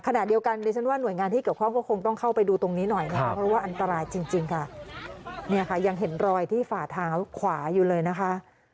ขณะเดียวกันดิฉันว่าหน่วยงานที่เกี่ยวข้องก็คงต้องเข้าไปดูตรงนี้หน่อยนะคะเพราะว่าอันตรายจริงค่ะเนี่ยค่ะยังเห็นรอยที่ฝ่าเท้าขวาอยู่เลยนะคะ